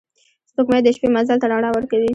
سپوږمۍ د شپې مزل ته رڼا ورکوي